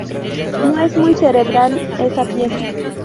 No es muy cerebral, esa pieza.